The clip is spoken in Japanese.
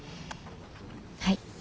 はい。